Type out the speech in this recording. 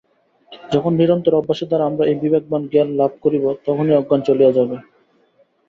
যখন নিরন্তর অভ্যাসের দ্বারা আমরা এই বিবেকজ্ঞান লাভ করিব, তখনই অজ্ঞান চলিয়া যাইবে।